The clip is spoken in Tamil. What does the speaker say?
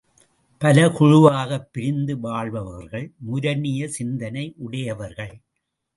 பல குழுவாகப் பிரிந்து வாழ்பவர்கள் முரணிய சிந்தனை உடையவர்கள்.